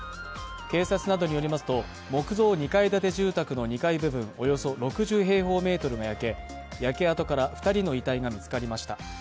警察などによりますと木造２階建て住宅の２階部分およそ６０平方メートルが焼け、焼け跡から２人の遺体が見つかりました。